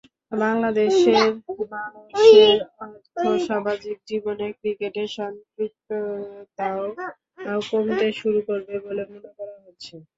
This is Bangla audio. বাংলাদেশের মানুষের আর্থসামাজিক জীবনে ক্রিকেটের সম্পৃক্ততাও কমতে শুরু করবে বলে মনে করা হচ্ছে।